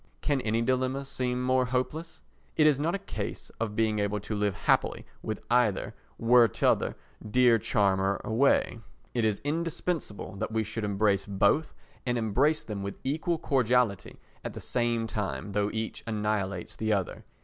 Can any dilemma seem more hopeless? It is not a case of being able to live happily with either were t'other dear charmer away; it is indispensable that we should embrace both, and embrace them with equal cordiality at the same time, though each annihilates the other.